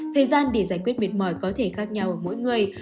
thời gian để giải quyết mệt mỏi có thể khác nhau mỗi người